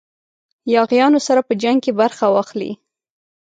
یاغیانو سره په جنګ کې برخه واخلي.